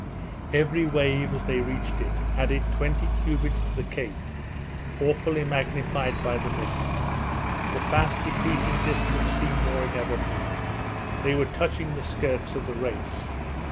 Each wave, as they neared it, added twenty cubits to the cape, awfully magnified by the mist; the fast decreasing distance seemed more inevitable they were touching the skirts of the race!